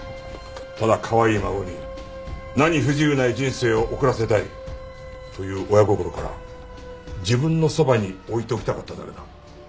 ただかわいい孫に何不自由ない人生を送らせたいという親心から自分のそばに置いておきたかっただけだ。